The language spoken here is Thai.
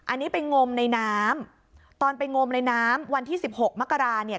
อันนี้ไปงมในน้ำตอนไปงมในน้ำวันที่๑๖มกราเนี่ย